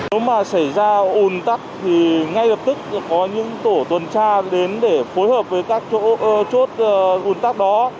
nếu mà xảy ra ồn tắc thì ngay lập tức có những tổ tuần tra đến để phối hợp với các chỗ chốt gồn tắc đó